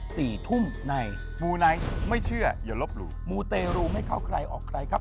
สวัสดีครับ